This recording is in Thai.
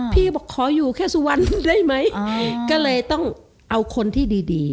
พี่บอกขออยู่แค่สุวรรณได้ไหมก็เลยต้องเอาคนที่ดีดี